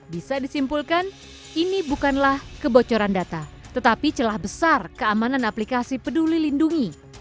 bisa disimpulkan ini bukanlah kebocoran data tetapi celah besar keamanan aplikasi peduli lindungi